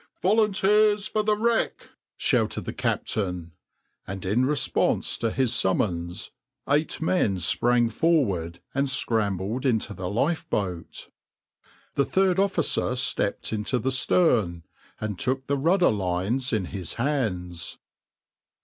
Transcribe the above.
\par "Volunteers for the wreck!" shouted the captain, and in response to his summons eight men sprang forward and scrambled into the lifeboat. The third officer stepped into the stern, and took the rudder lines in his hands.